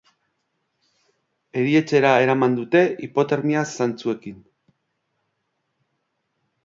Erietxera eraman dute hipotermia zantzuekin.